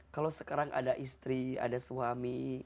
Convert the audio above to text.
kalau sekarang ada istri ada suami